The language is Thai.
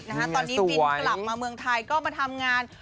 ตอนนี้บินกลับมาเมืองไทยก็มาทำงาน